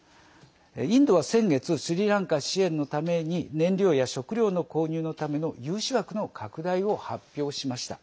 インドは先月スリランカ支援のために燃料や食料の購入のための融資枠の拡大を発表しました。